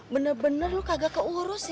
bener bener lu kagak keurus sih